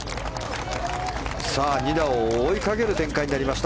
２打を追いかける展開になりました